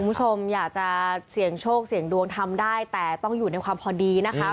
คุณผู้ชมอยากจะเสี่ยงโชคเสี่ยงดวงทำได้แต่ต้องอยู่ในความพอดีนะคะ